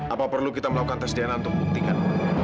apa perlu kita melakukan tes dna untuk membuktikan